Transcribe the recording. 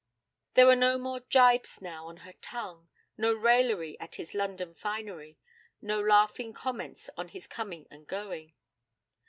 There were no more gibes now on her tongue, no raillery at his London finery, no laughing comments on his coming and going.